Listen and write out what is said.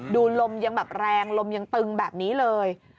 ลมยังแบบแรงลมยังตึงแบบนี้เลย